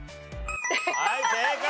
はい正解！